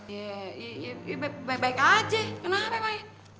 ya ya baik baik aja kenapa emang ya